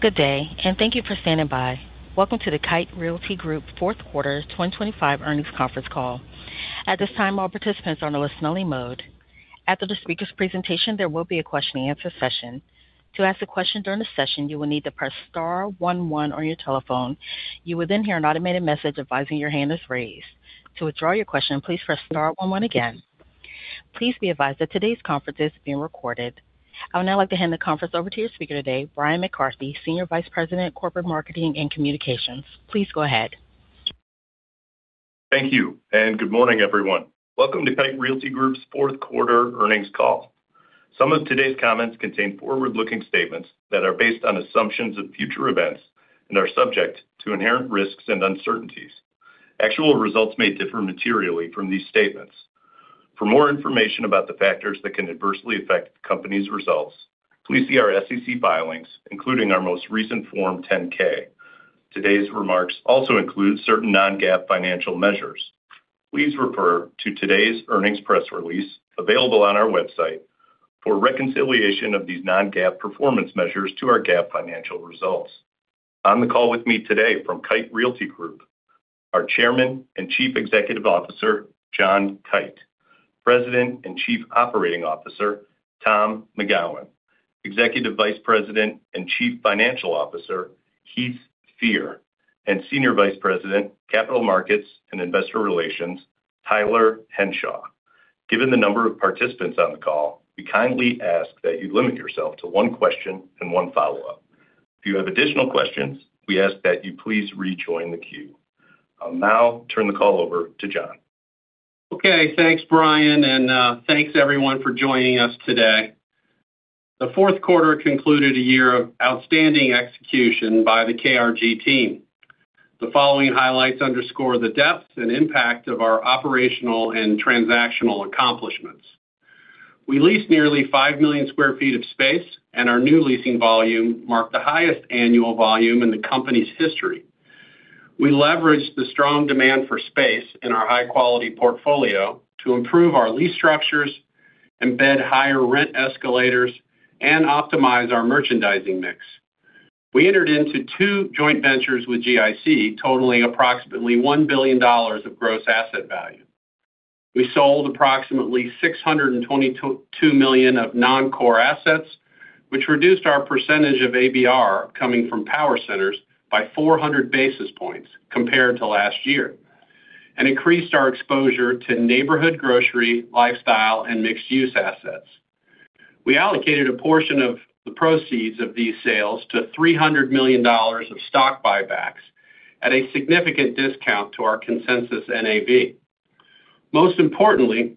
Good day, and thank you for standing by. Welcome to the Kite Realty Group Fourth Quarter 2025 Earnings Conference Call. At this time, all participants are on a listen-only mode. After the speaker's presentation, there will be a question-and-answer session. To ask a question during the session, you will need to press star one, one on your telephone. You will then hear an automated message advising your hand is raised. To withdraw your question, please press star one, one again. Please be advised that today's conference is being recorded. I would now like to hand the conference over to your speaker today, Brian McCarthy, Senior Vice President, Corporate Marketing and Communications. Please go ahead. Thank you, and good morning, everyone. Welcome to Kite Realty Group's fourth quarter earnings call. Some of today's comments contain forward-looking statements that are based on assumptions of future events and are subject to inherent risks and uncertainties. Actual results may differ materially from these statements. For more information about the factors that can adversely affect the company's results, please see our SEC filings, including our most recent Form 10-K. Today's remarks also include certain non-GAAP financial measures. Please refer to today's earnings press release, available on our website, for reconciliation of these non-GAAP performance measures to our GAAP financial results. On the call with me today from Kite Realty Group, our Chairman and Chief Executive Officer, John Kite, President and Chief Operating Officer, Tom McGowan, Executive Vice President and Chief Financial Officer, Heath Fear, and Senior Vice President, Capital Markets and Investor Relations, Tyler Henshaw. Given the number of participants on the call, we kindly ask that you limit yourself to one question and one follow-up. If you have additional questions, we ask that you please rejoin the queue. I'll now turn the call over to John. Okay, thanks, Brian, and, thanks, everyone, for joining us today. The fourth quarter concluded a year of outstanding execution by the KRG team. The following highlights underscore the depth and impact of our operational and transactional accomplishments. We leased nearly 5 million sq ft of space, and our new leasing volume marked the highest annual volume in the company's history. We leveraged the strong demand for space in our high-quality portfolio to improve our lease structures, embed higher rent escalators, and optimize our merchandising mix. We entered into two joint ventures with GIC, totaling approximately $1 billion of gross asset value. We sold approximately $622 million of non-core assets, which reduced our percentage of ABR coming from power centers by 400 basis points compared to last year, and increased our exposure to neighborhood, grocery, lifestyle, and mixed-use assets. We allocated a portion of the proceeds of these sales to $300 million of stock buybacks at a significant discount to our consensus NAV. Most importantly,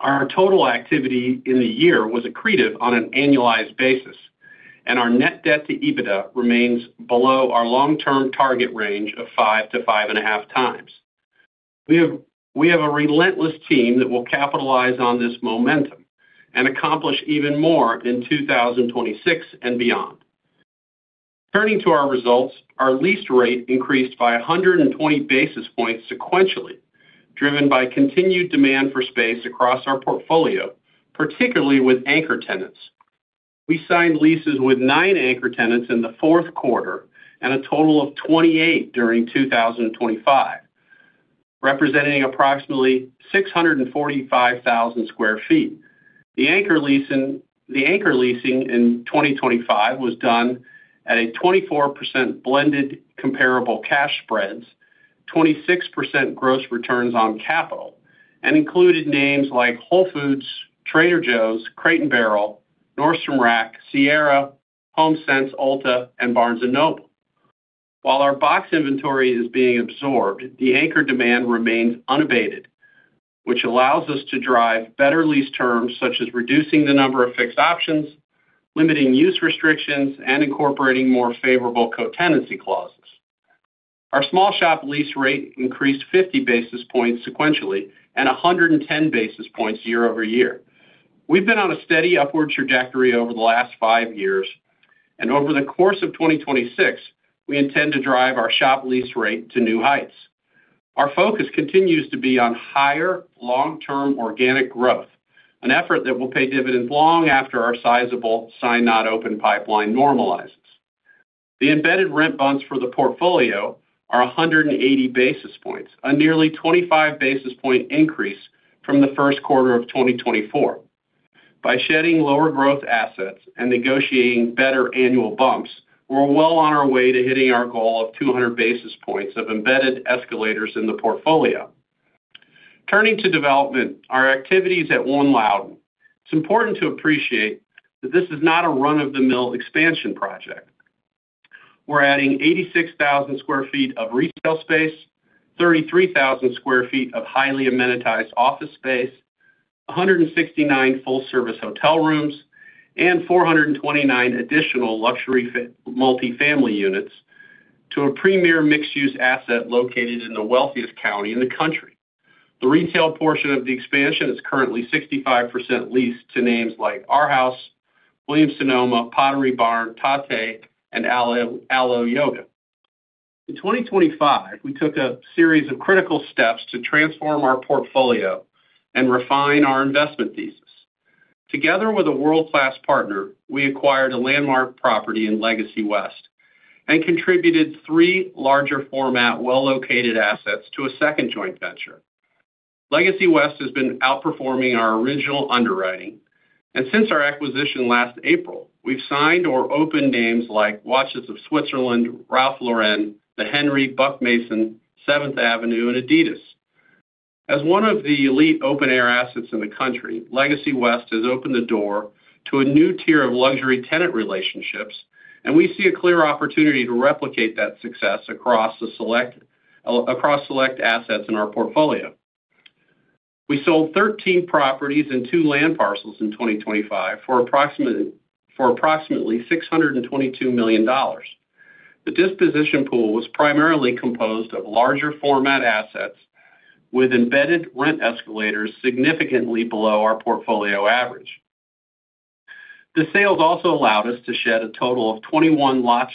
our total activity in the year was accretive on an annualized basis, and our net debt to EBITDA remains below our long-term target range of 5-5.5 times. We have a relentless team that will capitalize on this momentum and accomplish even more in 2026 and beyond. Turning to our results, our lease rate increased by 120 basis points sequentially, driven by continued demand for space across our portfolio, particularly with anchor tenants. We signed leases with 9 anchor tenants in the fourth quarter and a total of 28 during 2025, representing approximately 645,000 sq ft. The anchor leasing, the anchor leasing in 2025 was done at a 24% blended comparable cash spreads, 26% gross returns on capital, and included names like Whole Foods, Trader Joe's, Crate & Barrel, Nordstrom Rack, Sierra, HomeSense, Ulta, and Barnes & Noble. While our box inventory is being absorbed, the anchor demand remains unabated, which allows us to drive better lease terms, such as reducing the number of fixed options, limiting use restrictions, and incorporating more favorable co-tenancy clauses. Our small shop lease rate increased 50 basis points sequentially and 110 basis points year-over-year. We've been on a steady upward trajectory over the last five years, and over the course of 2026, we intend to drive our shop lease rate to new heights. Our focus continues to be on higher long-term organic growth, an effort that will pay dividends long after our sizable sign-not-open pipeline normalizes. The embedded rent bumps for the portfolio are 180 basis points, a nearly 25 basis point increase from the first quarter of 2024. By shedding lower growth assets and negotiating better annual bumps, we're well on our way to hitting our goal of 200 basis points of embedded escalators in the portfolio. Turning to development, our activities at One Loudoun. It's important to appreciate that this is not a run-of-the-mill expansion project. We're adding 86,000 sq ft of retail space, 33,000 sq ft of highly amenitized office space, 169 full-service hotel rooms, and 429 additional luxury multifamily units to a premier mixed-use asset located in the wealthiest county in the country. The retail portion of the expansion is currently 65% leased to names like Arhaus, Williams-Sonoma, Pottery Barn, Tatte, and Alo Yoga. In 2025, we took a series of critical steps to transform our portfolio and refine our investment thesis. Together with a world-class partner, we acquired a landmark property in Legacy West and contributed three larger format, well-located assets to a second joint venture. Legacy West has been outperforming our original underwriting, and since our acquisition last April, we've signed or opened names like Watches of Switzerland, Ralph Lauren, The Henry, Buck Mason,7th Avenue, and adidas. As one of the elite open-air assets in the country, Legacy West has opened the door to a new tier of luxury tenant relationships, and we see a clear opportunity to replicate that success across select assets in our portfolio. We sold 13 properties and 2 land parcels in 2025 for approximately $622 million. The disposition pool was primarily composed of larger format assets with embedded rent escalators significantly below our portfolio average. The sales also allowed us to shed a total of 21 watch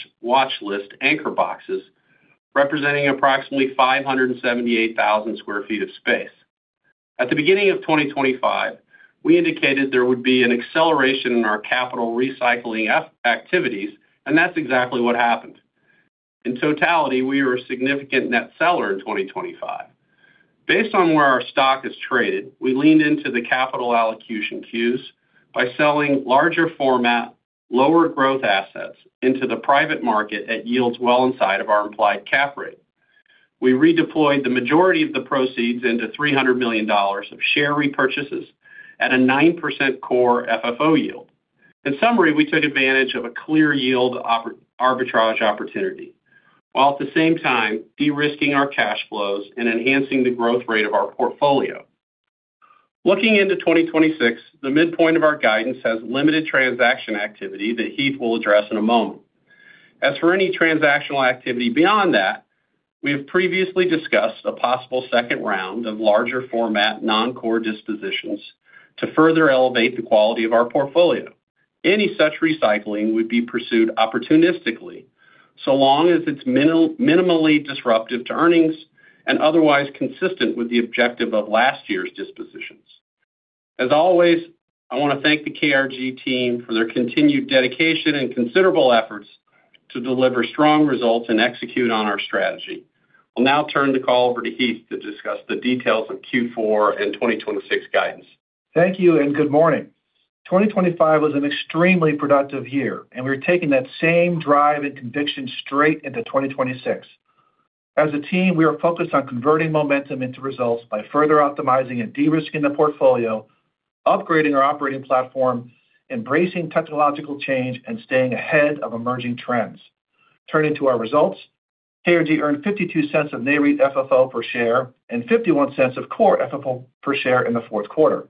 list anchor boxes, representing approximately 578,000 sq ft of space. At the beginning of 2025, we indicated there would be an acceleration in our capital recycling activities, and that's exactly what happened. In totality, we were a significant net seller in 2025. Based on where our stock is traded, we leaned into the capital allocation cues by selling larger format, lower growth assets into the private market at yields well inside of our implied cap rate. We redeployed the majority of the proceeds into $300 million of share repurchases at a 9% Core FFO yield. In summary, we took advantage of a clear yield arbitrage opportunity, while at the same time de-risking our cash flows and enhancing the growth rate of our portfolio. Looking into 2026, the midpoint of our guidance has limited transaction activity that Heath will address in a moment. As for any transactional activity beyond that, we have previously discussed a possible second round of larger format, non-core dispositions to further elevate the quality of our portfolio. Any such recycling would be pursued opportunistically, so long as it's minimally disruptive to earnings and otherwise consistent with the objective of last year's dispositions. As always, I want to thank the KRG team for their continued dedication and considerable efforts to deliver strong results and execute on our strategy. I'll now turn the call over to Heath to discuss the details of Q4 and 2026 guidance. Thank you, and good morning. 2025 was an extremely productive year, and we're taking that same drive and conviction straight into 2026. As a team, we are focused on converting momentum into results by further optimizing and de-risking the portfolio, upgrading our operating platform, embracing technological change, and staying ahead of emerging trends. Turning to our results, KRG earned $0.52 of NAREIT FFO per share and $0.51 of Core FFO per share in the fourth quarter.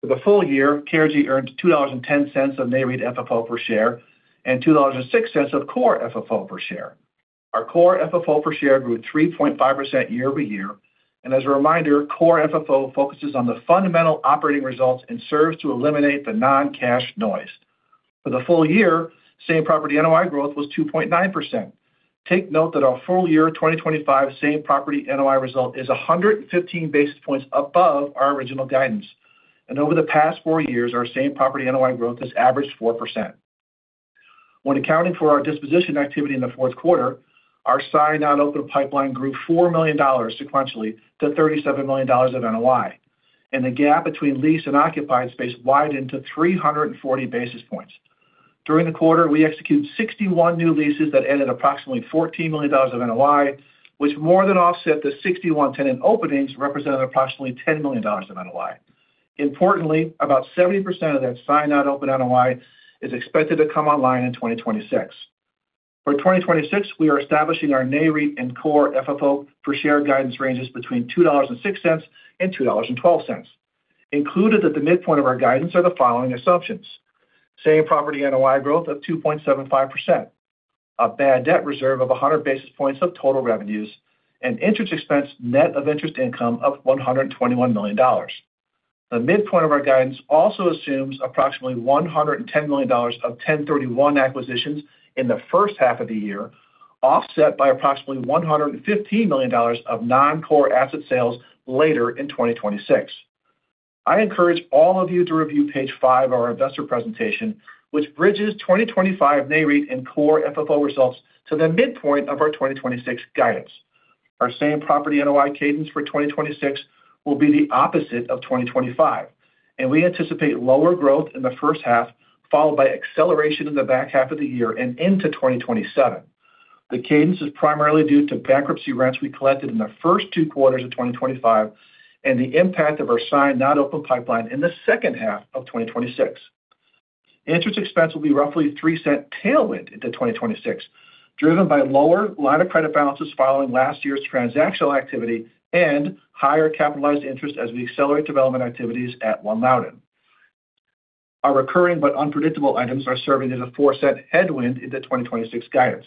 For the full year, KRG earned $2.10 of NAREIT FFO per share and $2.06 of Core FFO per share. Our Core FFO per share grew 3.5% year-over-year, and as a reminder, Core FFO focuses on the fundamental operating results and serves to eliminate the non-cash noise. For the full year, same property NOI growth was 2.9%. Take note that our full year, 2025, same property NOI result is 115 basis points above our original guidance. Over the past 4 years, our same property NOI growth has averaged 4%. When accounting for our disposition activity in the fourth quarter, our signed-not-open pipeline grew $4 million sequentially to $37 million of NOI, and the gap between leased and occupied space widened to 340 basis points. During the quarter, we executed 61 new leases that added approximately $14 million of NOI, which more than offset the 61 tenant openings, representing approximately $10 million in NOI. Importantly, about 70% of that signed-not-open NOI is expected to come online in 2026. For 2026, we are establishing our NAREIT and core FFO per share guidance ranges between $2.06 and $2.12. Included at the midpoint of our guidance are the following assumptions: same property NOI growth of 2.75%, a bad debt reserve of 100 basis points of total revenues, and interest expense net of interest income of $121 million. The midpoint of our guidance also assumes approximately $110 million of 1031 acquisitions in the first half of the year, offset by approximately $150 million of non-core asset sales later in 2026. I encourage all of you to review page five of our investor presentation, which bridges 2025 NAREIT and core FFO results to the midpoint of our 2026 guidance. Our same-property NOI cadence for 2026 will be the opposite of 2025, and we anticipate lower growth in the first half, followed by acceleration in the back half of the year and into 2027. The cadence is primarily due to bankruptcy rents we collected in the first two quarters of 2025 and the impact of our signed-not-open pipeline in the second half of 2026. Interest expense will be roughly $0.03 tailwind into 2026, driven by lower line of credit balances following last year's transactional activity and higher capitalized interest as we accelerate development activities at One Loudoun. Our recurring but unpredictable items are serving as a $0.04 headwind into 2026 guidance.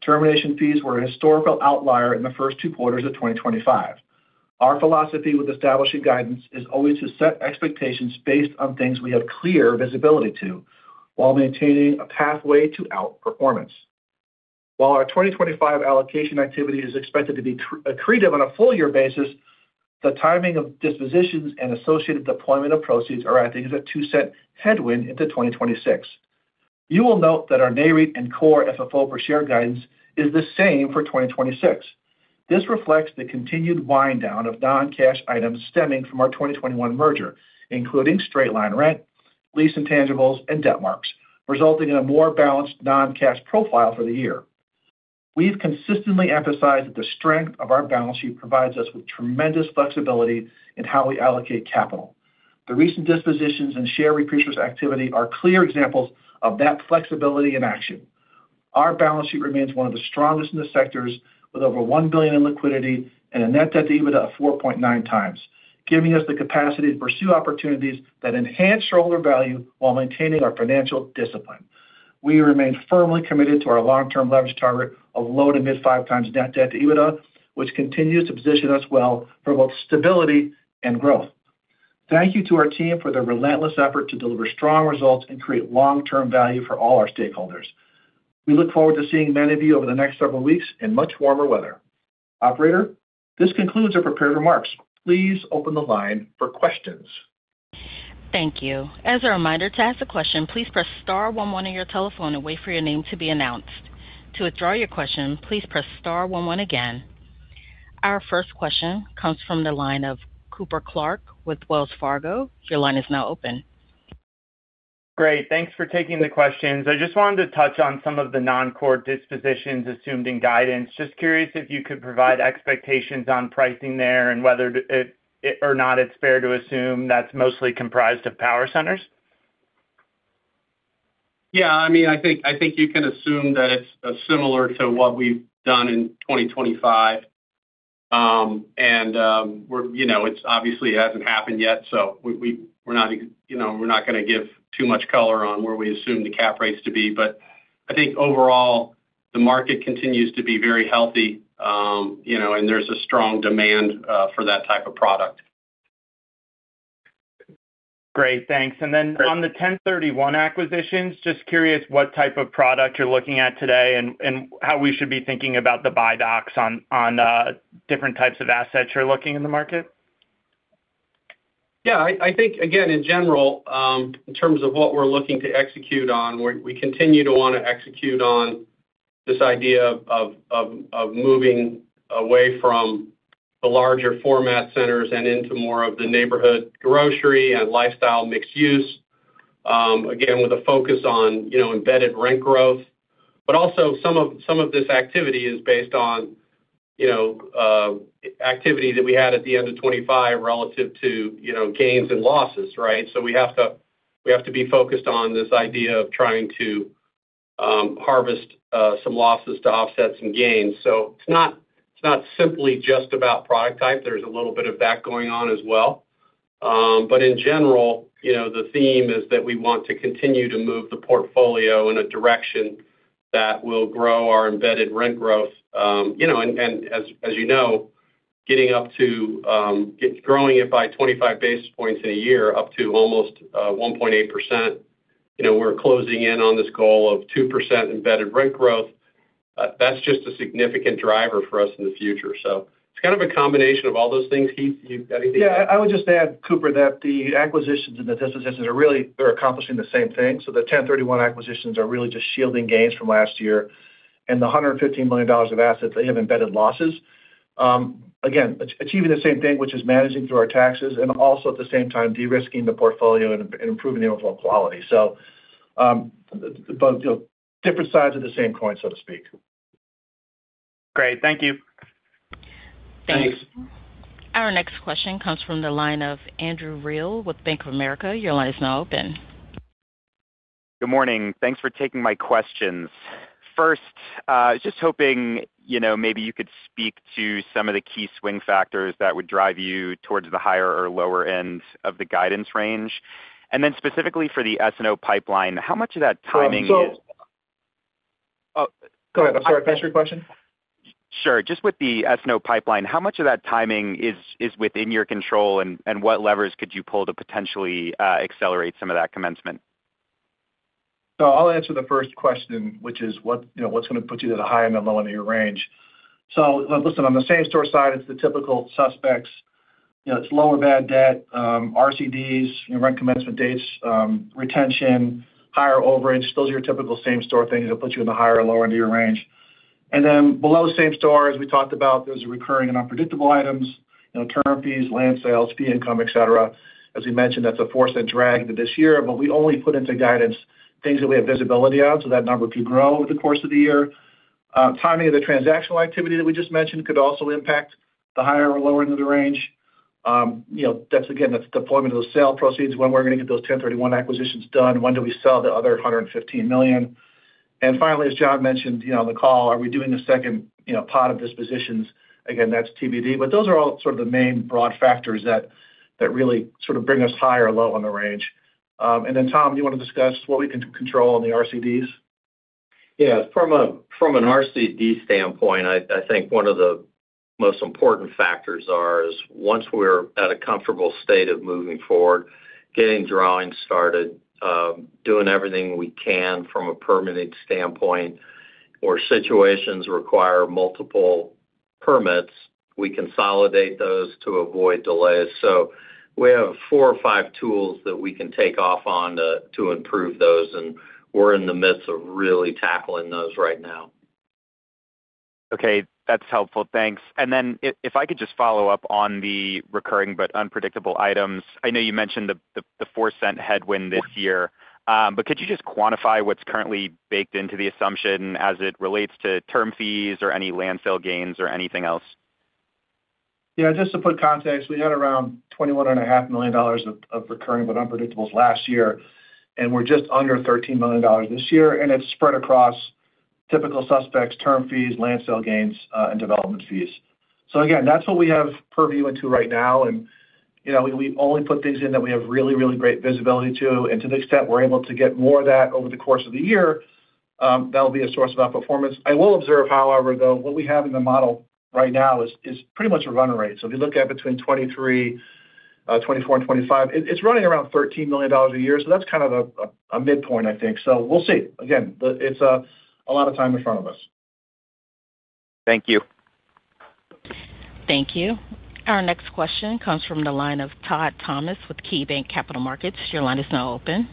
Termination fees were a historical outlier in the first two quarters of 2025... Our philosophy with establishing guidance is always to set expectations based on things we have clear visibility to, while maintaining a pathway to outperformance. While our 2025 allocation activity is expected to be accretive on a full year basis, the timing of dispositions and associated deployment of proceeds are acting as a 2-cent headwind into 2026. You will note that our NAREIT and core FFO per share guidance is the same for 2026. This reflects the continued wind down of non-cash items stemming from our 2021 merger, including straight-line rent, lease intangibles, and debt marks, resulting in a more balanced non-cash profile for the year. We've consistently emphasized that the strength of our balance sheet provides us with tremendous flexibility in how we allocate capital. The recent dispositions and share repurchase activity are clear examples of that flexibility in action. Our balance sheet remains one of the strongest in the sectors, with over $1 billion in liquidity and a net debt to EBITDA of 4.9 times, giving us the capacity to pursue opportunities that enhance shareholder value while maintaining our financial discipline. We remain firmly committed to our long-term leverage target of low- to mid-5 times net debt to EBITDA, which continues to position us well for both stability and growth. Thank you to our team for their relentless effort to deliver strong results and create long-term value for all our stakeholders. We look forward to seeing many of you over the next several weeks in much warmer weather. Operator, this concludes our prepared remarks. Please open the line for questions. Thank you. As a reminder, to ask a question, please press star one one on your telephone and wait for your name to be announced. To withdraw your question, please press star one one again. Our first question comes from the line of Cooper Clark with Wells Fargo. Your line is now open. Great. Thanks for taking the questions. I just wanted to touch on some of the non-core dispositions assumed in guidance. Just curious if you could provide expectations on pricing there and whether or not it's fair to assume that's mostly comprised of power centers. Yeah, I mean, I think, I think you can assume that it's similar to what we've done in 2025. We're, you know, it's obviously hasn't happened yet, so we're not, you know, we're not going to give too much color on where we assume the cap rates to be. But I think overall, the market continues to be very healthy, you know, and there's a strong demand for that type of product. Great, thanks. Then on the 1031 acquisitions, just curious what type of product you're looking at today and how we should be thinking about the buy box on different types of assets you're looking in the market. Yeah, I think, again, in general, in terms of what we're looking to execute on, we continue to want to execute on this idea of moving away from the larger format centers and into more of the neighborhood grocery and lifestyle mixed use. Again, with a focus on, you know, embedded rent growth, but also some of this activity is based on, you know, activity that we had at the end of 2025 relative to, you know, gains and losses, right? So we have to be focused on this idea of trying to harvest some losses to offset some gains. So it's not simply just about product type. There's a little bit of that going on as well. But in general, you know, the theme is that we want to continue to move the portfolio in a direction that will grow our embedded rent growth. You know, and, and as, as you know, getting up to, growing it by 25 basis points in a year, up to almost, one point eight percent. You know, we're closing in on this goal of 2% embedded rent growth. That's just a significant driver for us in the future. So it's kind of a combination of all those things. Heath, you got anything to add? Yeah, I would just add, Cooper, that the acquisitions and the dispositions are really, they're accomplishing the same thing. So the 1031 acquisitions are really just shielding gains from last year, and the $115 million of assets, they have embedded losses. Again, achieving the same thing, which is managing through our taxes and also at the same time, de-risking the portfolio and improving the overall quality. So, but, you know, different sides of the same coin, so to speak. Great. Thank you. Thanks. Our next question comes from the line of Andrew Reale with Bank of America. Your line is now open. Good morning. Thanks for taking my questions. First, just hoping, you know, maybe you could speak to some of the key swing factors that would drive you towards the higher or lower end of the guidance range. And then specifically for the SNO pipeline, how much of that timing is- Oh, go ahead. I'm sorry, what's your question? Sure. Just with the SNO pipeline, how much of that timing is within your control, and what levers could you pull to potentially accelerate some of that commencement? So I'll answer the first question, which is: what, you know, what's going to put you to the high and the low end of your range? So, listen, on the same store side, it's the typical suspects. You know, it's lower bad debt, RCDs, you know, rent commencement dates, retention, higher overage. Those are your typical same store things that put you in the higher or lower end of your range. And then below same store, as we talked about, those are recurring and unpredictable items, you know, term fees, land sales, fee income, et cetera. As we mentioned, that's a $0.04 drag to this year, but we only put into guidance things that we have visibility on, so that number could grow over the course of the year. Timing of the transactional activity that we just mentioned could also impact the higher or lower end of the range. You know, that's again, that's deployment of those sale proceeds. When we're going to get those 1031 acquisitions done, when do we sell the other $115 million? And finally, as John mentioned, you know, on the call, are we doing a second, you know, pot of dispositions? Again, that's TBD, but those are all sort of the main broad factors that, that really sort of bring us high or low on the range. And then, Tom, you want to discuss what we can control on the RCDs?... Yeah, from an RCD standpoint, I think one of the most important factors are, is once we're at a comfortable state of moving forward, getting drawings started, doing everything we can from a permitting standpoint, or situations require multiple permits, we consolidate those to avoid delays. So we have four or five tools that we can take off on to improve those, and we're in the midst of really tackling those right now. Okay, that's helpful. Thanks. And then if I could just follow up on the recurring but unpredictable items. I know you mentioned the $0.04 headwind this year, but could you just quantify what's currently baked into the assumption as it relates to term fees or any land sale gains or anything else? Yeah, just to put context, we had around $21.5 million of, of recurring, but unpredictables last year, and we're just under $13 million this year, and it's spread across typical suspects, term fees, land sale gains, and development fees. So again, that's what we have purview into right now, and, you know, we, we only put things in that we have really, really great visibility to, and to the extent we're able to get more of that over the course of the year, that'll be a source of outperformance. I will observe, however, though, what we have in the model right now is, is pretty much a run rate. So if you look at between 2023, 2024 and 2025, it, it's running around $13 million a year. So that's kind of a, a midpoint, I think. So we'll see. Again, it's a lot of time in front of us. Thank you. Thank you. Our next question comes from the line of Todd Thomas with KeyBanc Capital Markets. Your line is now open.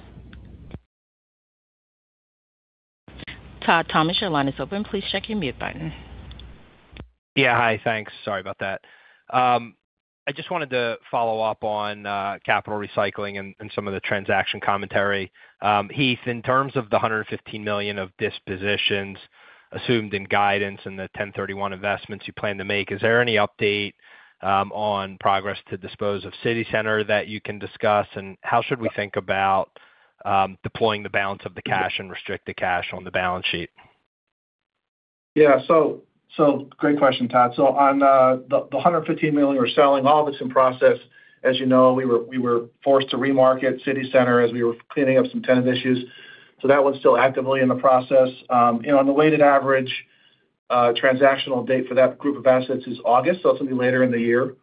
Todd Thomas, your line is open. Please check your mute button. Yeah. Hi, thanks. Sorry about that. I just wanted to follow up on, capital recycling and, and some of the transaction commentary. Heath, in terms of the $115 million of dispositions assumed in guidance and the 1031 investments you plan to make, is there any update, on progress to dispose of City Center that you can discuss? And how should we think about, deploying the balance of the cash and restricted cash on the balance sheet? Yeah, so great question, Todd. So on the $115 million we're selling, all of it's in process. As you know, we were forced to remarket City Center as we were cleaning up some tenant issues. So that one's still actively in the process. You know, on the weighted average transactional date for that group of assets is August, so it'll be later in the year.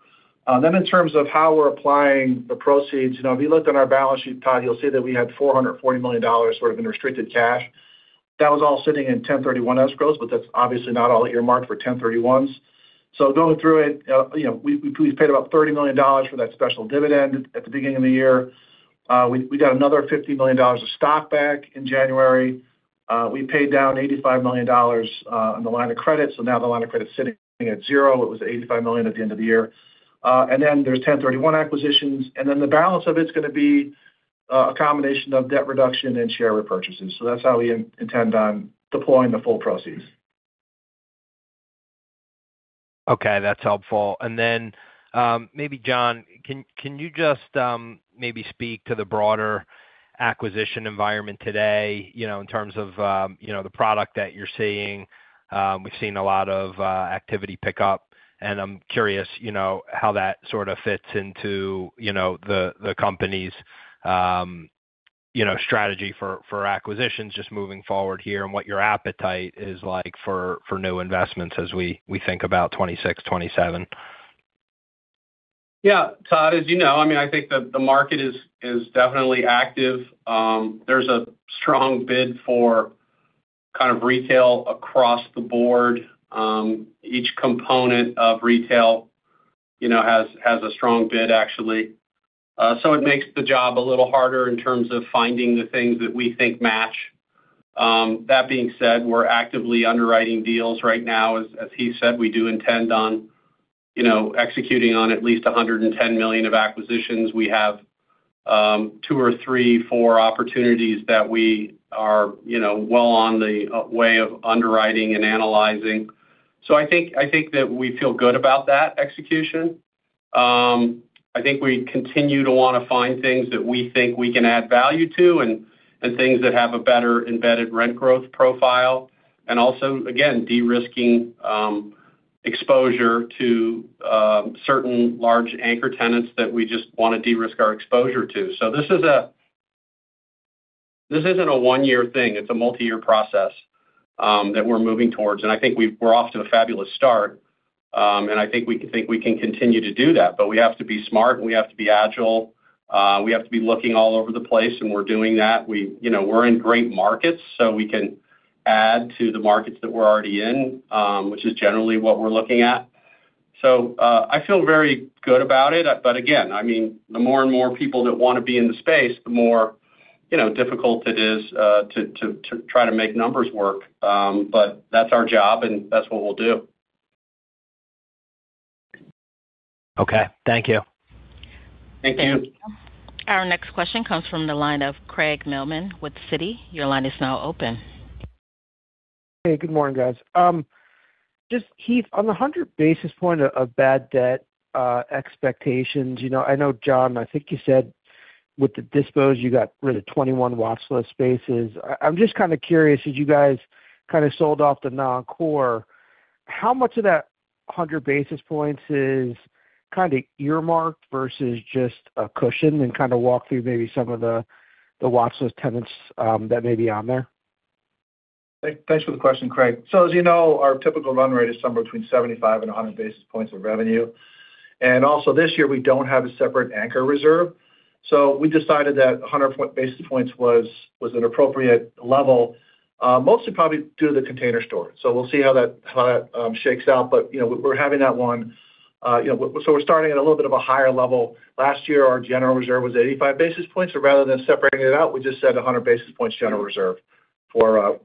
Then in terms of how we're applying the proceeds, you know, if you looked on our balance sheet, Todd, you'll see that we had $440 million worth of unrestricted cash. That was all sitting in 1031 escrows, but that's obviously not all earmarked for 1031s. So going through it, you know, we, we paid about $30 million for that special dividend at the beginning of the year. We, we got another $50 million of stock back in January. We paid down $85 million on the line of credit, so now the line of credit is sitting at zero. It was $85 million at the end of the year. And then there's 1031 acquisitions, and then the balance of it's gonna be a combination of debt reduction and share repurchases. So that's how we intend on deploying the full proceeds. Okay, that's helpful. And then, maybe, John, can you just, maybe speak to the broader acquisition environment today, you know, in terms of, you know, the product that you're seeing? We've seen a lot of activity pick up, and I'm curious, you know, how that sort of fits into, you know, the company's strategy for acquisitions just moving forward here and what your appetite is like for new investments as we think about 2026, 2027. Yeah, Todd, as you know, I mean, I think the market is definitely active. There's a strong bid for kind of retail across the board. Each component of retail, you know, has a strong bid, actually. So it makes the job a little harder in terms of finding the things that we think match. That being said, we're actively underwriting deals right now. As Heath said, we do intend on, you know, executing on at least $110 million of acquisitions. We have 2 or 3, 4 opportunities that we are, you know, well on the way of underwriting and analyzing. So I think that we feel good about that execution. I think we continue to wanna find things that we think we can add value to and, and things that have a better embedded rent growth profile, and also, again, de-risking exposure to certain large anchor tenants that we just want to de-risk our exposure to. So this is a—this isn't a one-year thing. It's a multiyear process that we're moving towards, and I think we've—we're off to a fabulous start. And I think we can think we can continue to do that, but we have to be smart, and we have to be agile. We have to be looking all over the place, and we're doing that. You know, we're in great markets, so we can add to the markets that we're already in, which is generally what we're looking at. So I feel very good about it. But again, I mean, the more and more people that want to be in the space, the more, you know, difficult it is to try to make numbers work. But that's our job, and that's what we'll do. Okay. Thank you. Thank you. Our next question comes from the line of Craig Mailman with Citi. Your line is now open. Hey, good morning, guys. Just Heath, on the 100 basis points of bad debt expectations, you know, I know, John, I think you said with the dispositions, you got rid of 21 watch list spaces. I'm just kind of curious, as you guys kind of sold off the non-core,... how much of that 100 basis points is kind of earmarked versus just a cushion? And kind of walk through maybe some of the, the watch list tenants that may be on there. Thanks for the question, Craig. So as you know, our typical run rate is somewhere between 75 and 100 basis points of revenue. And also this year, we don't have a separate anchor reserve, so we decided that 100 basis points was an appropriate level, mostly probably due to The Container Store. So we'll see how that shakes out. But, you know, we're having that one, you know, so we're starting at a little bit of a higher level. Last year, our general reserve was 85 basis points, so rather than separating it out, we just said 100 basis points general reserve for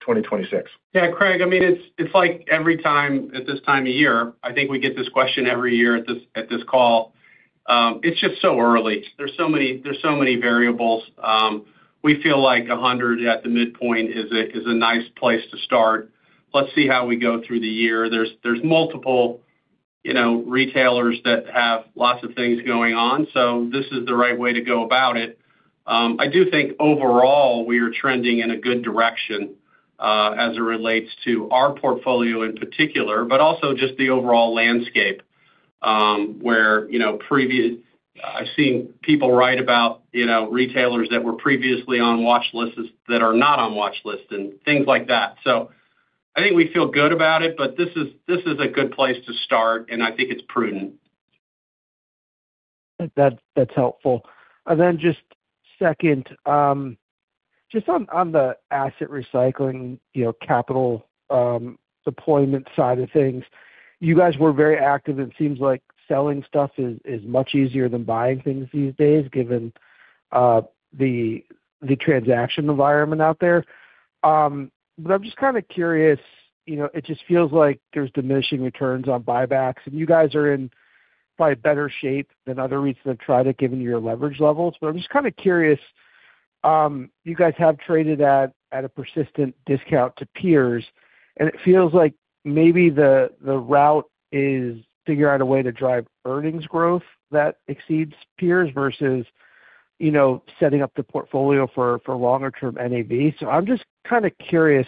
2026. Yeah, Craig, I mean, it's like every time at this time of year, I think we get this question every year at this call. It's just so early. There's so many variables. We feel like 100 at the midpoint is a nice place to start. Let's see how we go through the year. There's multiple, you know, retailers that have lots of things going on, so this is the right way to go about it. I do think overall, we are trending in a good direction as it relates to our portfolio in particular, but also just the overall landscape, where, you know, previously, I've seen people write about, you know, retailers that were previously on watch lists that are not on watch lists and things like that. So I think we feel good about it, but this is a good place to start, and I think it's prudent. That, that's helpful. And then just second, just on the asset recycling, you know, capital deployment side of things, you guys were very active, and it seems like selling stuff is much easier than buying things these days, given the transaction environment out there. But I'm just kind of curious, you know, it just feels like there's diminishing returns on buybacks, and you guys are in probably better shape than other REITs that have tried it, given your leverage levels. But I'm just kind of curious, you guys have traded at a persistent discount to peers, and it feels like maybe the route is figure out a way to drive earnings growth that exceeds peers versus, you know, setting up the portfolio for longer term NAV. So I'm just kind of curious,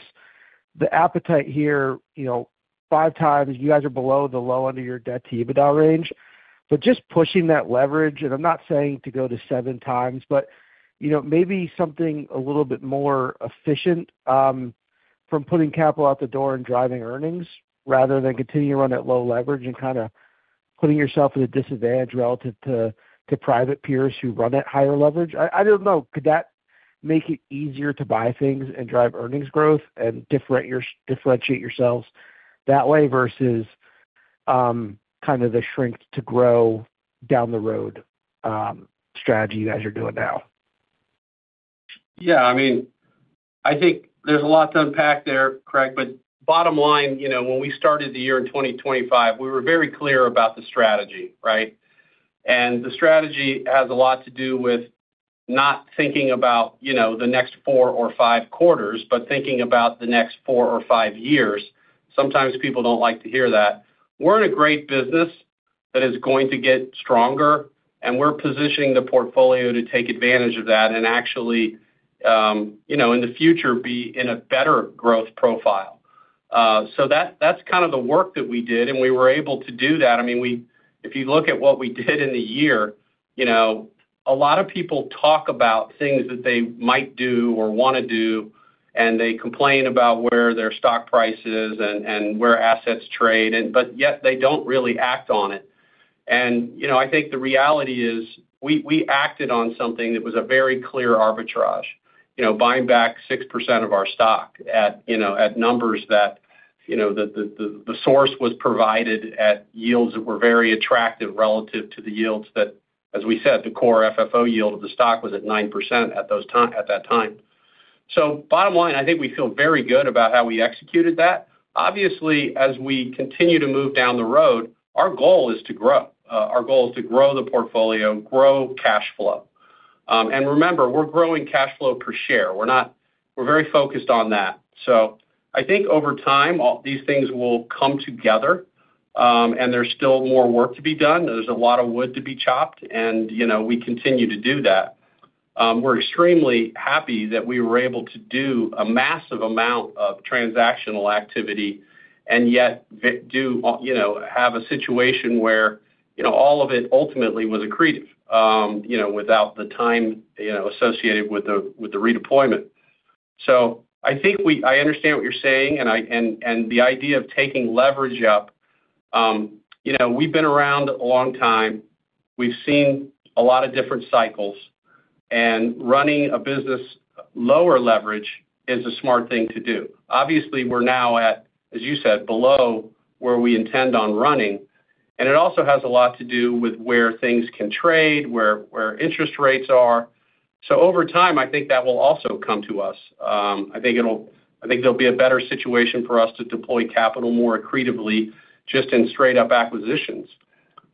the appetite here, you know, 5x, you guys are below the low end of your debt-to-EBITDA range, but just pushing that leverage, and I'm not saying to go to 7x, but, you know, maybe something a little bit more efficient from putting capital out the door and driving earnings, rather than continue to run at low leverage and kind of putting yourself at a disadvantage relative to private peers who run at higher leverage. I don't know, could that make it easier to buy things and drive earnings growth and differentiate yourselves that way versus kind of the shrink to grow down the road strategy you guys are doing now? Yeah, I mean, I think there's a lot to unpack there, Craig, but bottom line, you know, when we started the year in 2025, we were very clear about the strategy, right? And the strategy has a lot to do with not thinking about, you know, the next four or five quarters, but thinking about the next four or five years. Sometimes people don't like to hear that. We're in a great business that is going to get stronger, and we're positioning the portfolio to take advantage of that and actually, you know, in the future, be in a better growth profile. So that, that's kind of the work that we did, and we were able to do that. I mean, we, if you look at what we did in the year, you know, a lot of people talk about things that they might do or want to do, and they complain about where their stock price is and where assets trade, and but yet they don't really act on it. And, you know, I think the reality is, we, we acted on something that was a very clear arbitrage. You know, buying back 6% of our stock at, you know, at numbers that, you know, the source was provided at yields that were very attractive relative to the yields that, as we said, the Core FFO yield of the stock was at 9% at that time. So bottom line, I think we feel very good about how we executed that. Obviously, as we continue to move down the road, our goal is to grow. Our goal is to grow the portfolio, grow cash flow. And remember, we're growing cash flow per share. We're very focused on that. So I think over time, all these things will come together, and there's still more work to be done. There's a lot of wood to be chopped, and, you know, we continue to do that. We're extremely happy that we were able to do a massive amount of transactional activity, and yet do, you know, have a situation where, you know, all of it ultimately was accretive, you know, without the time, you know, associated with the redeployment. So I think I understand what you're saying, and the idea of taking leverage up, you know, we've been around a long time. We've seen a lot of different cycles, and running a business lower leverage is a smart thing to do. Obviously, we're now at, as you said, below where we intend on running, and it also has a lot to do with where things can trade, where interest rates are. So over time, I think that will also come to us. I think it'll I think there'll be a better situation for us to deploy capital more accretively, just in straight up acquisitions.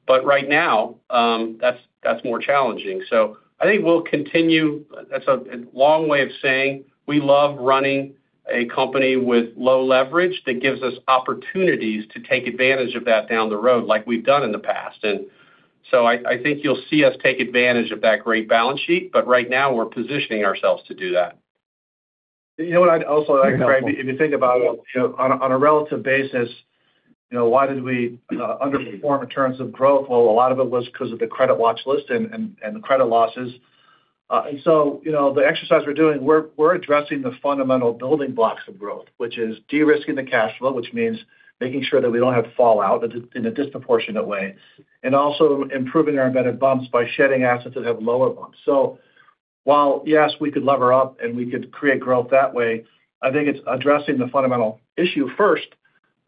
But right now, that's more challenging. So I think we'll continue... That's a long way of saying, we love running a company with low leverage that gives us opportunities to take advantage of that down the road like we've done in the past. So I think you'll see us take advantage of that great balance sheet, but right now we're positioning ourselves to do that. You know what I'd also like, Craig, if you think about it, you know, on a relative basis, you know, why did we underperform in terms of growth? Well, a lot of it was because of the credit watch list and the credit losses. And so, you know, the exercise we're doing, we're addressing the fundamental building blocks of growth, which is de-risking the cash flow, which means making sure that we don't have fallout in a disproportionate way, and also improving our embedded bumps by shedding assets that have lower bumps. So while, yes, we could lever up and we could create growth that way, I think it's addressing the fundamental issue first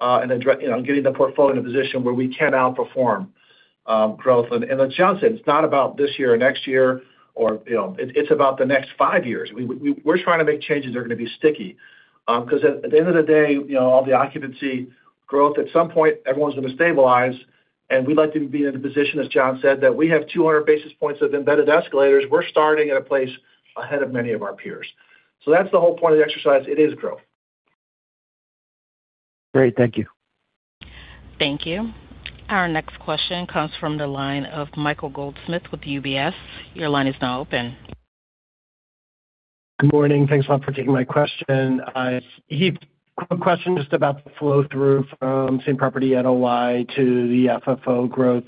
and you know, getting the portfolio in a position where we can outperform growth. As John said, it's not about this year or next year, or, you know, it's about the next five years. We're trying to make changes that are gonna be sticky. Because at the end of the day, you know, all the occupancy growth, at some point, everyone's going to stabilize, and we'd like to be in a position, as John said, that we have 200 basis points of embedded escalators. We're starting at a place ahead of many of our peers. So that's the whole point of the exercise. It is growth. Great. Thank you. Thank you. Our next question comes from the line of Michael Goldsmith with UBS. Your line is now open. Good morning. Thanks a lot for taking my question. Heath, quick question just about the flow-through from same-property NOI to the FFO growth.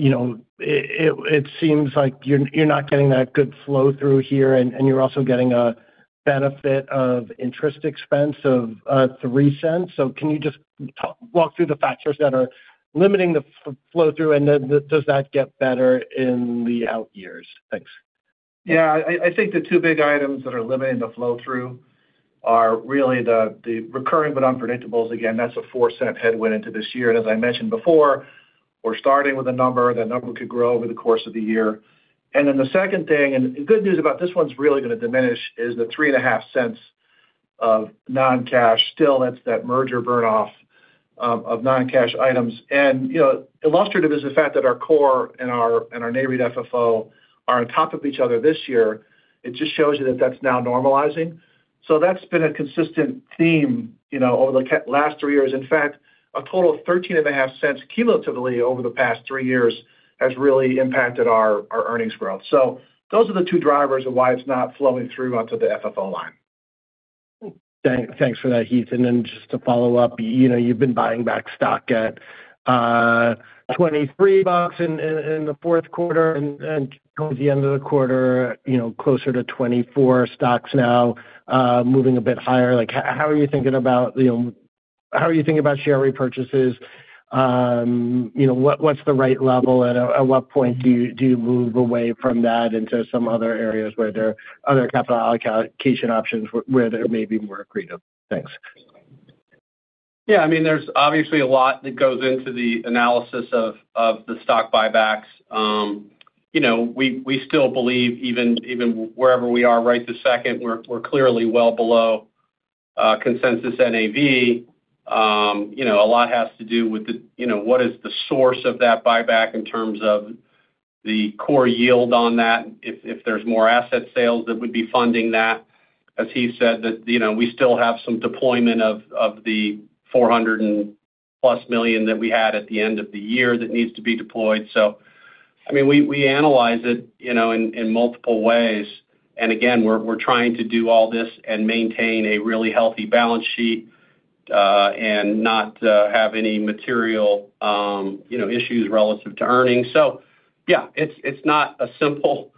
You know, it seems like you're not getting that good flow-through here, and you're also getting a benefit of interest expense of $0.03. So can you just walk through the factors that are limiting the flow-through, and then does that get better in the out years? Thanks. Yeah, I think the two big items that are limiting the flow-through are really the recurring but unpredictables. Again, that's a $0.04 headwind into this year. And as I mentioned before, we're starting with a number. That number could grow over the course of the year. And then the second thing, and the good news about this one's really gonna diminish, is the $0.035 of non-cash. Still, that's that merger burn off of non-cash items. And, you know, illustrative is the fact that our core and our neighborhood FFO are on top of each other this year. It just shows you that that's now normalizing. So that's been a consistent theme, you know, over the last three years. In fact, a total of $0.135 cumulatively over the past three years has really impacted our earnings growth. Those are the two drivers of why it's not flowing through onto the FFO line. Thanks for that, Heath. Then just to follow up, you know, you've been buying back stock at $23 in the fourth quarter and towards the end of the quarter, you know, closer to $24. Stock's now moving a bit higher. Like, how are you thinking about, you know, how are you thinking about share repurchases? You know, what's the right level, and at what point do you move away from that into some other areas where there are other capital allocation options, where there may be more accretive? Thanks. Yeah, I mean, there's obviously a lot that goes into the analysis of the stock buybacks. You know, we still believe even, even wherever we are right this second, we're clearly well below consensus NAV. You know, a lot has to do with what is the source of that buyback in terms of the core yield on that? If there's more asset sales, that would be funding that. As Heath said, you know, we still have some deployment of the $400+ million that we had at the end of the year that needs to be deployed. So, I mean, we analyze it, you know, in multiple ways. And again, we're trying to do all this and maintain a really healthy balance sheet, and not have any material, you know, issues relative to earnings. So yeah, it's not a simple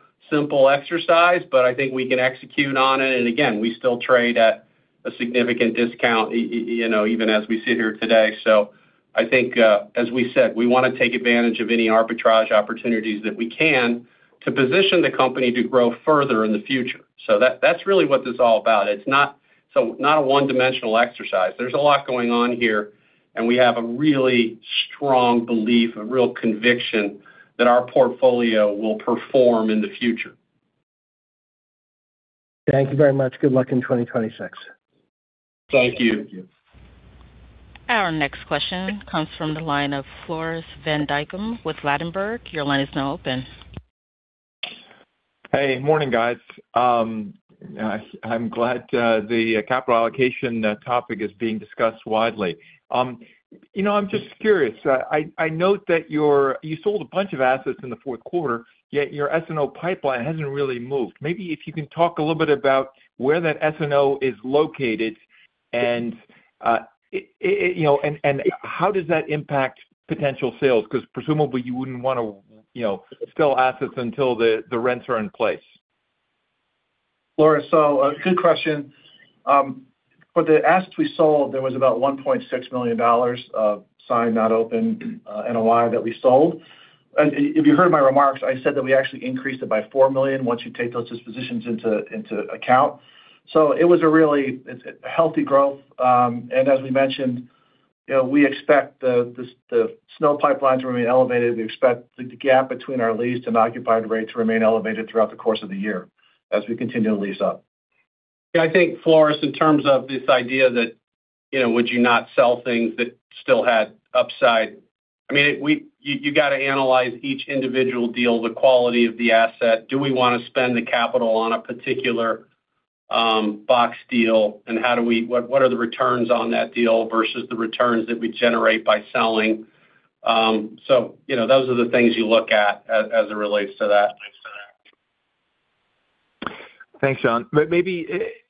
exercise, but I think we can execute on it. And again, we still trade at a significant discount, you know, even as we sit here today. So I think, as we said, we wanna take advantage of any arbitrage opportunities that we can to position the company to grow further in the future. So that's really what this is all about. It's not a one-dimensional exercise. There's a lot going on here, and we have a really strong belief, a real conviction, that our portfolio will perform in the future. Thank you very much. Good luck in 2026. Thank you. Our next question comes from the line of Floris van Dijkum with Ladenburg. Your line is now open. Hey, morning, guys. I'm glad the capital allocation topic is being discussed widely. You know, I'm just curious. I note that you sold a bunch of assets in the fourth quarter, yet your S&O pipeline hasn't really moved. Maybe if you can talk a little bit about where that S&O is located, and, you know, and how does that impact potential sales? Because presumably, you wouldn't want to, you know, sell assets until the rents are in place. Floris, so, a good question. For the assets we sold, there was about $1.6 million of signed, not opened, NOI that we sold. And if you heard my remarks, I said that we actually increased it by $4 million once you take those dispositions into account. So it was a really, it's a healthy growth. And as we mentioned, you know, we expect the SNO pipelines to remain elevated. We expect the gap between our leased and occupied rates to remain elevated throughout the course of the year as we continue to lease up. Yeah, I think, Floris, in terms of this idea that, you know, would you not sell things that still had upside? I mean, we—you got to analyze each individual deal, the quality of the asset. Do we wanna spend the capital on a particular box deal and how do we, what are the returns on that deal versus the returns that we generate by selling? So, you know, those are the things you look at as it relates to that. Thanks, John. But maybe,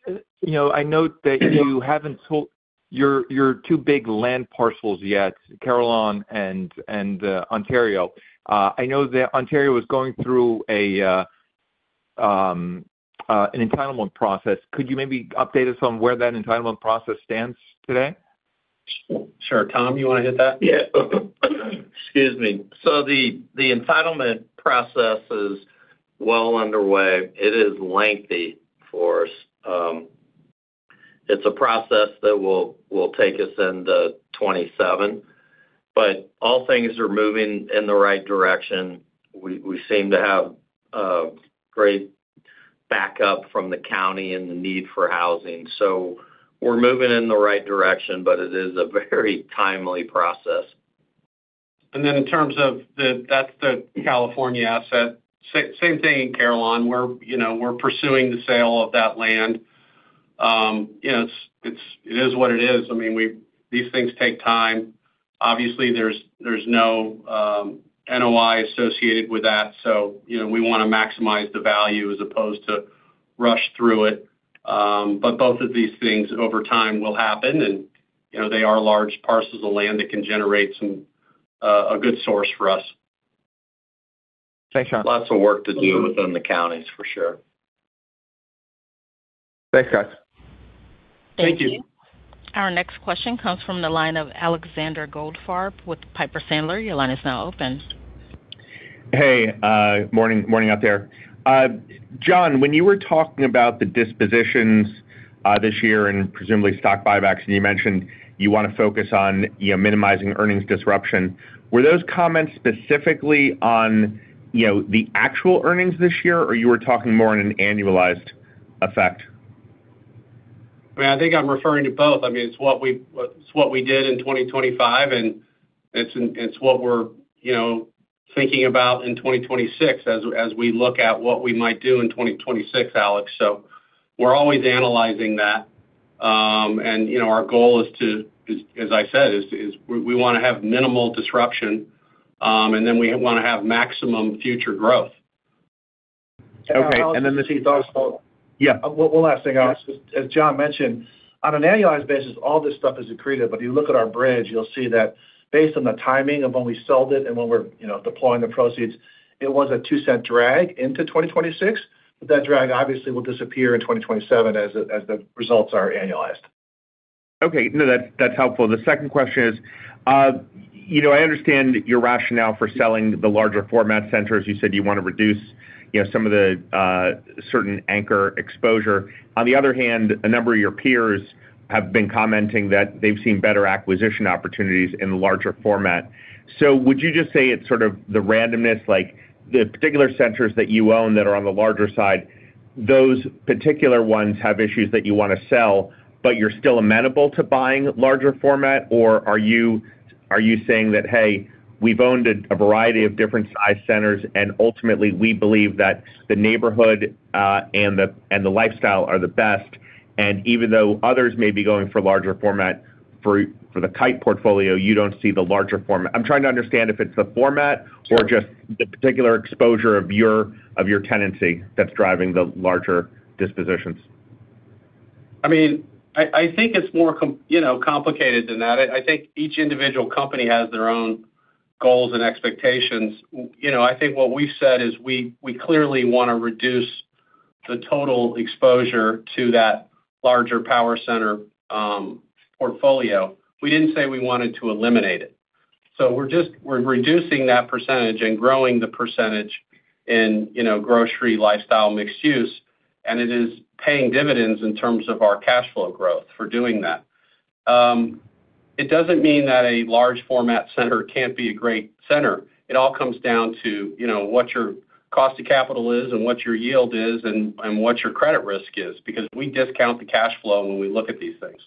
you know, I note that you haven't sold your, your two big land parcels yet, Carillon and, and, Ontario. I know that Ontario was going through a, an entitlement process. Could you maybe update us on where that entitlement process stands today? Sure. Tom, you want to hit that? Yeah. Excuse me. So the entitlement process is well underway. It is lengthy for us. It's a process that will take us into 2027, but all things are moving in the right direction. We seem to have great backup from the county and the need for housing. So we're moving in the right direction, but it is a very timely process. And then in terms of that's the California asset. Same thing in Carillon, we're, you know, we're pursuing the sale of that land. You know, it's, it is what it is. I mean, we these things take time. Obviously, there's no NOI associated with that, so, you know, we want to maximize the value as opposed to rush through it. But both of these things over time will happen, and, you know, they are large parcels of land that can generate some a good source for us. Thanks, John. Lots of work to do within the counties, for sure. Thanks, guys. Thank you. Our next question comes from the line of Alexander Goldfarb with Piper Sandler. Your line is now open. Hey, morning, morning out there. John, when you were talking about the dispositions this year and presumably stock buybacks, and you mentioned you want to focus on, you know, minimizing earnings disruption. Were those comments specifically on, you know, the actual earnings this year, or you were talking more on an annualized effect? I mean, I think I'm referring to both. I mean, it's what we did in 2025, and it's what we're, you know, thinking about in 2026 as we look at what we might do in 2026, Alex. So we're always analyzing that. And, you know, our goal is to, as I said, we want to have minimal disruption, and then we want to have maximum future growth. Okay, and then this is also- Yeah, one last thing, Alex. As John mentioned, on an annualized basis, all this stuff is accreted, but if you look at our bridge, you'll see that based on the timing of when we sold it and when we're, you know, deploying the proceeds, it was a $0.02 drag into 2026. But that drag obviously will disappear in 2027 as the, as the results are annualized. Okay. No, that's, that's helpful. The second question is, you know, I understand your rationale for selling the larger format centers. You said you want to reduce, you know, some of the, certain anchor exposure. On the other hand, a number of your peers have been commenting that they've seen better acquisition opportunities in the larger format. So would you just say it's sort of the randomness, like, the particular centers that you own that are on the larger side, those particular ones have issues that you want to sell, but you're still amenable to buying larger format? Or are you saying that, "Hey, we've owned a variety of different size centers, and ultimately, we believe that the neighborhood and the lifestyle are the best." And even though others may be going for larger format, for the Kite portfolio, you don't see the larger format. I'm trying to understand if it's the format or just the particular exposure of your tenancy that's driving the larger dispositions? I mean, I think it's more complicated than that. I think each individual company has their own goals and expectations. You know, I think what we've said is we clearly want to reduce the total exposure to that larger power center portfolio. We didn't say we wanted to eliminate it. So we're just-- we're reducing that percentage and growing the percentage in, you know, grocery, lifestyle, mixed use, and it is paying dividends in terms of our cash flow growth for doing that. It doesn't mean that a large format center can't be a great center. It all comes down to, you know, what your cost of capital is and what your yield is and what your credit risk is, because we discount the cash flow when we look at these things.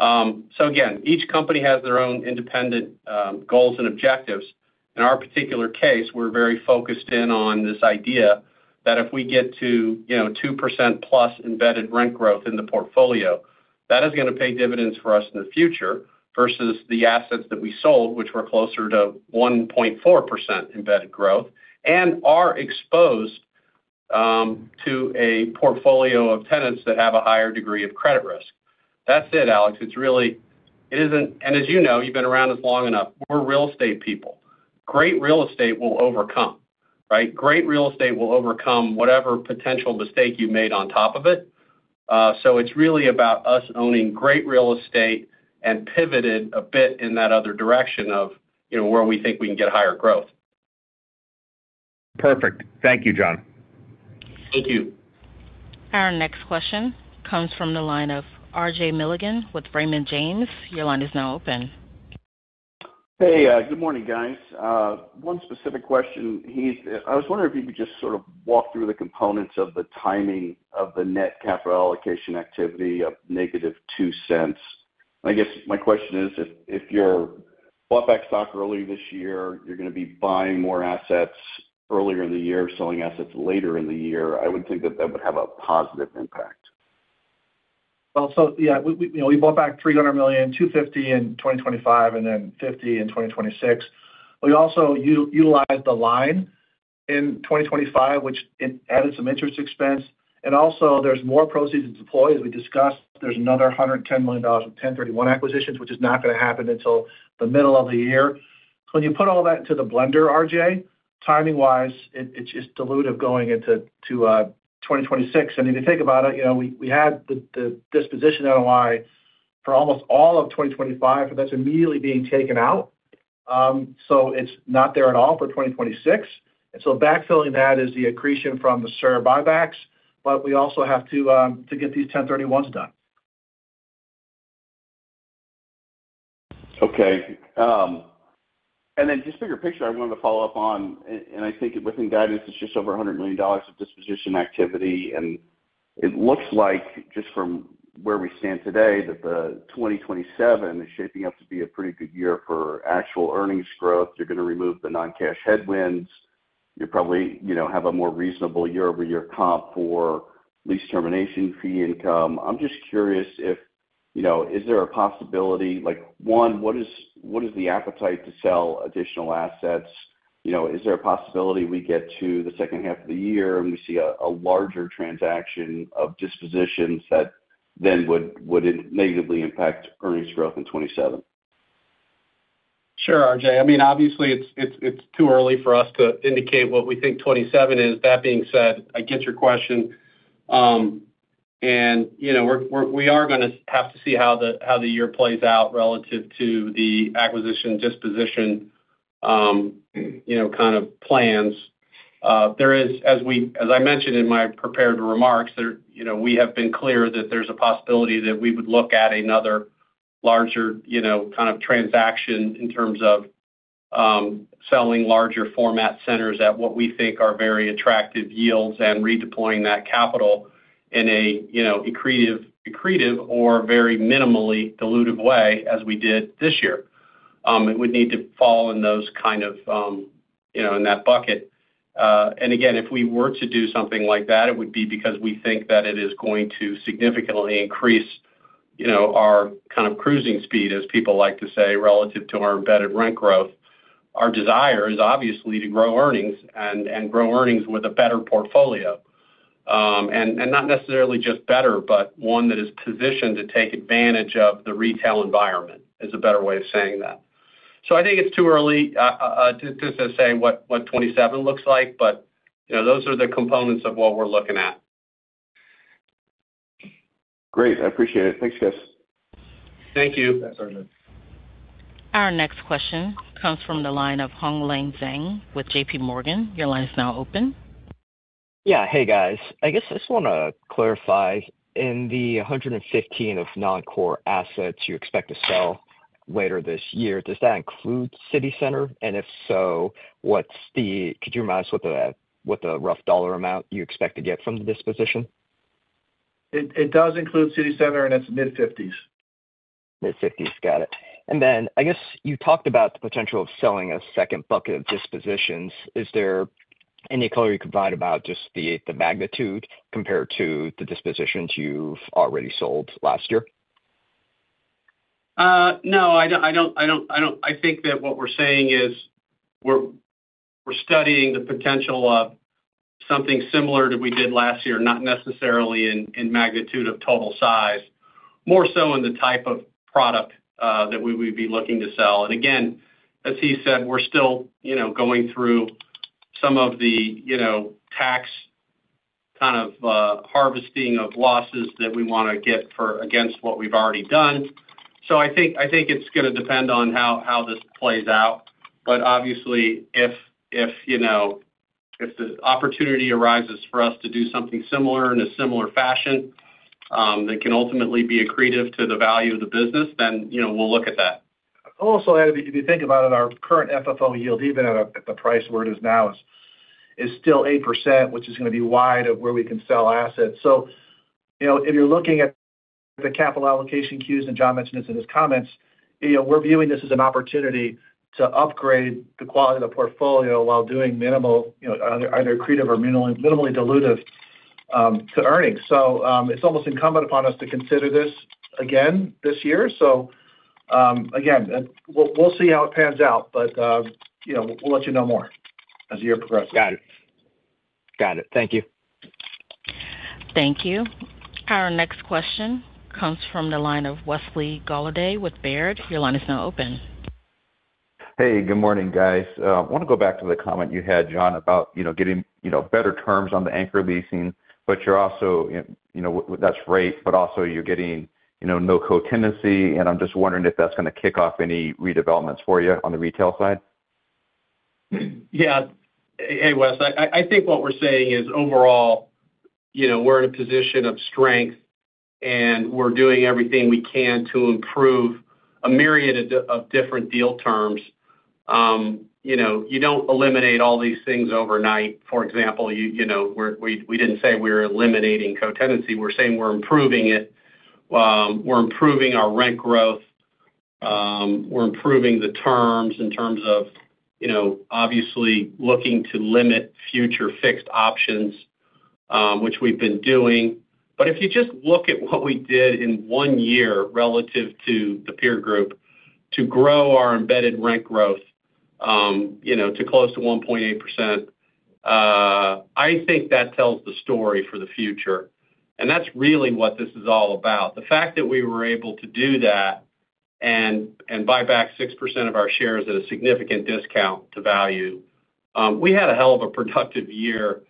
So again, each company has their own independent goals and objectives. In our particular case, we're very focused in on this idea that if we get to, you know, 2%+ embedded rent growth in the portfolio, that is going to pay dividends for us in the future, versus the assets that we sold, which were closer to 1.4% embedded growth, and are exposed to a portfolio of tenants that have a higher degree of credit risk. That's it, Alex. It's really-- it isn't... And as you know, you've been around us long enough, we're real estate people. Great real estate will overcome, right? Great real estate will overcome whatever potential mistake you made on top of it. So it's really about us owning great real estate and pivoted a bit in that other direction of, you know, where we think we can get higher growth. Perfect. Thank you, John. Thank you. Our next question comes from the line of R.J. Milligan with Raymond James. Your line is now open. Hey, good morning, guys. One specific question, Heath. I was wondering if you could just sort of walk through the components of the timing of the net capital allocation activity of -$0.02. I guess my question is, if, if you're- ...bought back stock early this year. You're gonna be buying more assets earlier in the year, selling assets later in the year. I would think that that would have a positive impact. Well, so, yeah, we, you know, we bought back $300 million, $250 in 2025, and then $50 in 2026. We also utilized the line in 2025, which it added some interest expense, and also there's more proceeds to deploy. As we discussed, there's another $110 million of 1031 acquisitions, which is not gonna happen until the middle of the year. When you put all that into the blender, RJ, timing-wise, it's just dilutive going into, to, 2026. I mean, if you think about it, you know, we had the disposition NOI for almost all of 2025, but that's immediately being taken out. So it's not there at all for 2026. And so backfilling that is the accretion from the share buybacks, but we also have to get these 1031s done. Okay. And then just bigger picture, I wanted to follow up on, and I think within guidance, it's just over $100 million of disposition activity. It looks like, just from where we stand today, that 2027 is shaping up to be a pretty good year for actual earnings growth. You're gonna remove the non-cash headwinds. You probably, you know, have a more reasonable year-over-year comp for lease termination fee income. I'm just curious if, you know, is there a possibility like, one, what is the appetite to sell additional assets? You know, is there a possibility we get to the second half of the year, and we see a larger transaction of dispositions that then would negatively impact earnings growth in 2027? Sure, RJ. I mean, obviously, it's too early for us to indicate what we think 2027 is. That being said, I get your question. And, you know, we're gonna have to see how the year plays out relative to the acquisition disposition, you know, kind of plans. There is, as I mentioned in my prepared remarks, you know, we have been clear that there's a possibility that we would look at another larger, you know, kind of transaction in terms of, selling larger format centers at what we think are very attractive yields and redeploying that capital in a, you know, accretive or very minimally dilutive way as we did this year. It would need to fall in those kind of, you know, in that bucket. And again, if we were to do something like that, it would be because we think that it is going to significantly increase, you know, our kind of cruising speed, as people like to say, relative to our embedded rent growth. Our desire is obviously to grow earnings and grow earnings with a better portfolio. And not necessarily just better, but one that is positioned to take advantage of the retail environment, is a better way of saying that. So I think it's too early to say what 2027 looks like, but, you know, those are the components of what we're looking at. Great, I appreciate it. Thanks, guys. Thank you. Our next question comes from the line of Hong Leng Zhang with J.P. Morgan. Your line is now open. Yeah. Hey, guys. I guess I just wanna clarify, in the 115 of non-core assets you expect to sell later this year, does that include City Center? And if so, what's the, could you remind us what the rough dollar amount you expect to get from the disposition? It does include City Center, and it's mid-fifties. Mid-fifties, got it. And then I guess you talked about the potential of selling a second bucket of dispositions. Is there any color you can provide about just the magnitude compared to the dispositions you've already sold last year? No, I don't—I think that what we're saying is, we're studying the potential of something similar to what we did last year, not necessarily in magnitude of total size, more so in the type of product that we would be looking to sell. And again, as he said, we're still, you know, going through some of the, you know, tax kind of harvesting of losses that we wanna get for against what we've already done. So I think it's gonna depend on how this plays out. But obviously, if, you know, if the opportunity arises for us to do something similar in a similar fashion that can ultimately be accretive to the value of the business, then, you know, we'll look at that. Also, if you think about it, our current FFO yield, even at the price where it is now, is still 8%, which is gonna be wide of where we can sell assets. So, you know, if you're looking at the capital allocation cues, and John mentioned this in his comments, you know, we're viewing this as an opportunity to upgrade the quality of the portfolio while doing minimal, you know, either accretive or minimally dilutive to earnings. So, it's almost incumbent upon us to consider this again this year. So, again, we'll see how it pans out, but, you know, we'll let you know more as the year progresses. Got it. Got it. Thank you. Thank you. Our next question comes from the line of Wesley Golladay with Baird. Your line is now open. Hey, good morning, guys. I wanna go back to the comment you had, John, about, you know, getting, you know, better terms on the anchor leasing, but you're also, you know, that's great, but also you're getting, you know, no co-tenancy, and I'm just wondering if that's gonna kick off any redevelopments for you on the retail side. Yeah. Hey, Wes, I think what we're saying is, overall, you know, we're in a position of strength, and we're doing everything we can to improve a myriad of of different deal terms. You know, you don't eliminate all these things overnight. For example, you know, we're we didn't say we're eliminating co-tenancy. We're saying we're improving it. We're improving our rent growth. We're improving the terms in terms of, you know, obviously looking to limit future fixed options, which we've been doing. But if you just look at what we did in one year relative to the peer group, to grow our embedded rent growth, you know, to close to 1.8%, I think that tells the story for the future, and that's really what this is all about. The fact that we were able to do that and buy back 6% of our shares at a significant discount to value, we had a hell of a productive year.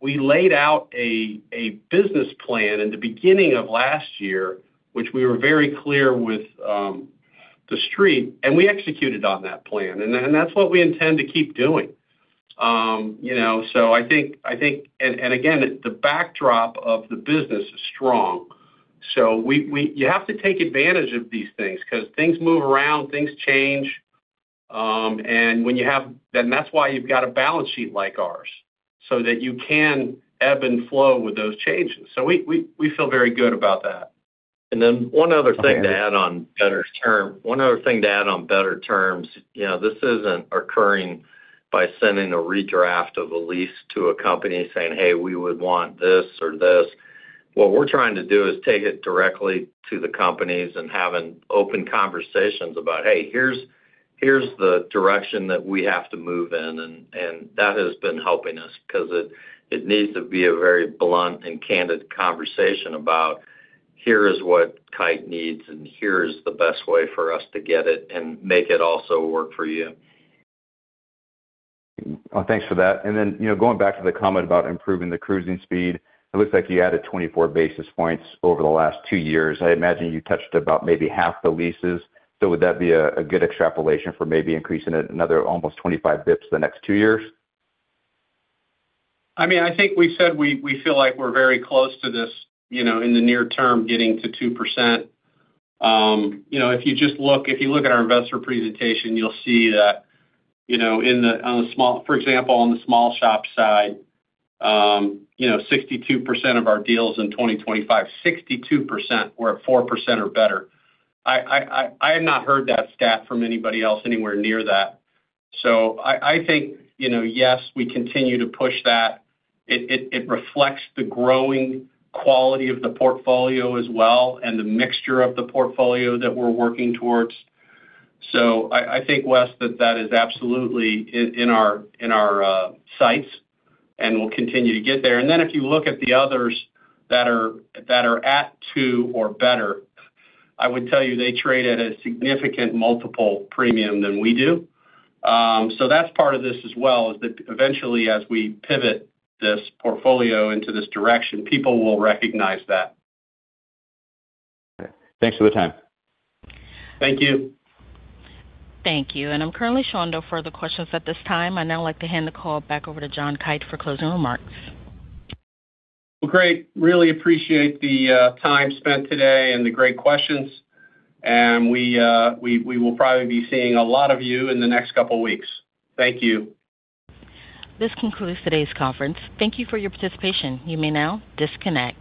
We laid out a business plan in the beginning of last year, which we were very clear with the Street, and we executed on that plan, and that's what we intend to keep doing. You know, so I think... And again, the backdrop of the business is strong, so you have to take advantage of these things 'cause things move around, things change. And when you have then that's why you've got a balance sheet like ours, so that you can ebb and flow with those changes. So we feel very good about that. One other thing to add on better terms, you know, this isn't occurring by sending a redraft of a lease to a company saying, "Hey, we would want this or this." What we're trying to do is take it directly to the companies and having open conversations about, hey, here's, here's the direction that we have to move in, and, and that has been helping us 'cause it, it needs to be a very blunt and candid conversation about, here is what Kite needs, and here is the best way for us to get it and make it also work for you. Well, thanks for that. And then, you know, going back to the comment about improving the cruising speed, it looks like you added 24 basis points over the last two years. I imagine you touched about maybe half the leases, so would that be a good extrapolation for maybe increasing it another almost 25 basis points the next two years? I mean, I think we said we feel like we're very close to this, you know, in the near term, getting to 2%. You know, if you look at our investor presentation, you'll see that, you know, on the small shop side, for example, 62% of our deals in 2025, 62% were at 4% or better. I have not heard that stat from anybody else anywhere near that. So I think, you know, yes, we continue to push that. It reflects the growing quality of the portfolio as well, and the mixture of the portfolio that we're working towards. So I think, Wes, that is absolutely in our sights, and we'll continue to get there. Then if you look at the others that are at two or better, I would tell you they trade at a significant multiple premium than we do. So that's part of this as well, is that eventually, as we pivot this portfolio into this direction, people will recognize that. Thanks for the time. Thank you. Thank you. I'm currently showing no further questions at this time. I'd now like to hand the call back over to John Kite for closing remarks. Well, great. Really appreciate the time spent today and the great questions. We will probably be seeing a lot of you in the next couple weeks. Thank you. This concludes today's conference. Thank you for your participation. You may now disconnect.